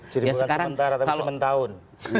jadi bukan sementara tapi sementahun